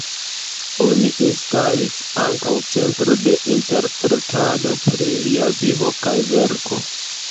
Oni instalis ankaŭ centro de interpretado pri lia vivo kaj verko.